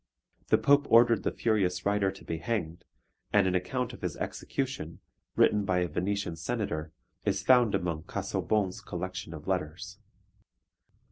The Pope ordered the furious writer to be hanged, and an account of his execution, written by a Venetian senator, is found among Casaubon's collection of letters.